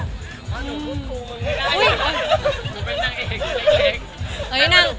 อ๋อหนูพูดคูมึงไม่ได้เลยหนูเป็นนางเอก